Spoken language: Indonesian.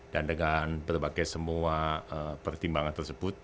dan dengan berbagai semua pertimbangan tersebut